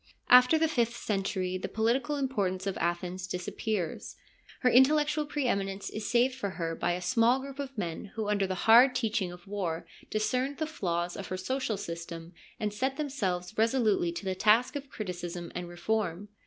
After the fifth century the political importance of Athens disappears ; her intellectual pre eminence is saved for her by a small group of men who under the hard teaching of war discerned the flaws of her social system and set themselves resolutely to the task of criticism and reform.